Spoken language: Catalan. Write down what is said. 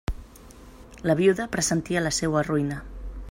La viuda pressentia la seua ruïna.